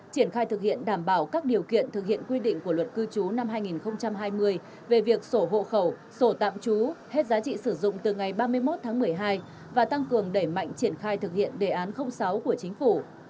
triển khai thực hiện đảm bảo các điều kiện thực hiện quy định của luật cư trú năm hai nghìn hai mươi về việc sổ hộ khẩu sổ tạm trú hết giá trị sử dụng từ ngày ba mươi một tháng một mươi hai và tăng cường đẩy mạnh triển khai thực hiện đề án sáu của chính phủ